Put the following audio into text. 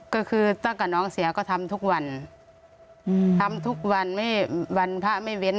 ก็คือตั้งแต่น้องเสียก็ทำทุกวันอืมทำทุกวันไม่วันพระไม่เว้น